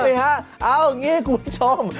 อ๋อไปดูเลยเอาอย่างนี้คุณผู้ชม